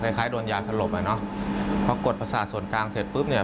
คล้ายโดนยาสลบอ่ะเนอะพอกดประสาทส่วนกลางเสร็จปุ๊บเนี่ย